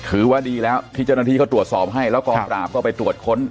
ถือว่าดีแล้วที่เจ้าหน้าที่เขาตรวจสอบให้แล้วกองปราบก็ไปตรวจค้น